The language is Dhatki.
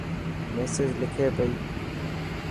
ميسج لکي پئي.